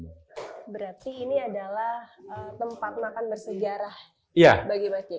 berarti ini adalah tempat makan bersejarah bagi mas kiai